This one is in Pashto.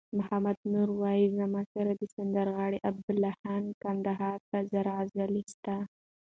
محمد نور وایی: زما سره د سندرغاړی عبیدالله جان کندهاری اته زره غزلي سته